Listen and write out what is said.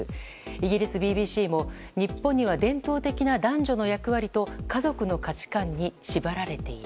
イギリスＢＢＣも日本には伝統的な男女の役割と家族の価値観に縛られている。